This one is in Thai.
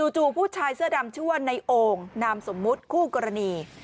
จู่ผู้ชายเสื้อดำชื่อว่าในโอ่งนามสมมุติคู่กรณี